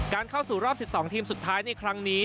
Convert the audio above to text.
เข้าสู่รอบ๑๒ทีมสุดท้ายในครั้งนี้